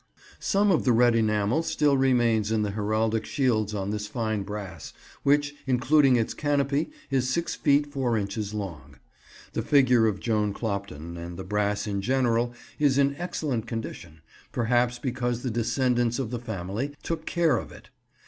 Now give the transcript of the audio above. Some of the red enamel still remains in the heraldic shields on this fine brass, which, including its canopy, is six feet four inches long. The figure of Joan Clopton, and the brass in general, is in excellent condition, perhaps because the descendants of the family took care of it.